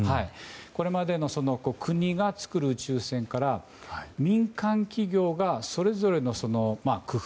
これまでの国が作る宇宙船から民間企業がそれぞれの工夫